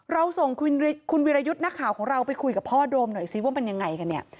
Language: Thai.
เราส่งคุณวิรยุทธ์นักข่าวของเราไปคุยกับพ่อโดมหน่อยซิว่ามันยังไงกันเนี่ย